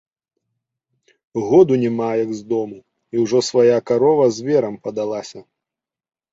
Году няма, як з дому, і ўжо свая карова зверам падалася.